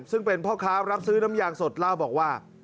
ซึ่งเป็นพ่อค้ารับซื้อน้ำยางสดเล่าบอกว่า